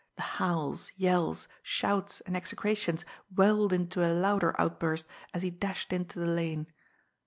The howls, yells, shouts and execrations welled into a louder outburst as he dashed into the lane.